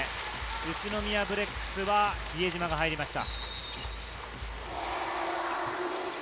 宇都宮ブレックスは比江島が入りました。